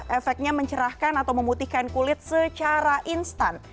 efeknya mencerahkan atau memutihkan kulit secara instan